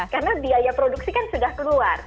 karena biaya produksi kan sudah keluar